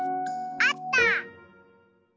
あった！